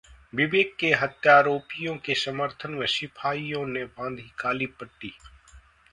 विवेक के हत्यारोपियों के समर्थन में सिपाहियों ने बांधी काली पट्टी